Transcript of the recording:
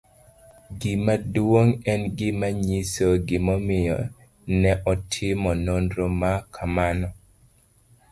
Gima duong' En gima nyiso gimomiyo ne otim nonro ma kamano.